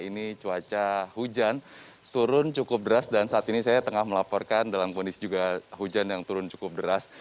ini cuaca hujan turun cukup deras dan saat ini saya tengah melaporkan dalam kondisi juga hujan yang turun cukup deras